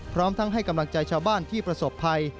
พร้อมทั้งให้กำลังใจชาวบ้านที่ประสบภัย